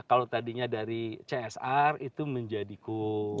kalau tadinya dari csr itu menjadi co